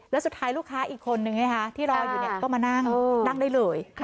แล้วสุดท้ายลูกค้าอีกคนนึงที่รออยู่เนี่ยก็มานั่งนั่งได้เลย